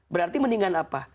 berarti mendingan apa